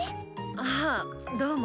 ああどうも。